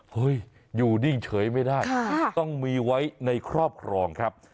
อยู่นิ่งเฉยไม่ได้ต้องมีไว้ในครอบครองครับ